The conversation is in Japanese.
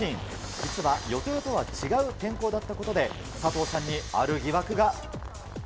実は予定とは違う天候だったことで、佐藤さんにある疑惑が。